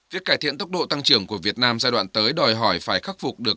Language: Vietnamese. việc cải thiện tốc độ tăng trưởng của việt nam giai đoạn tới đòi hỏi phải khắc phục được